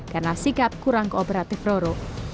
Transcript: karena sikap kurang kooperatif roro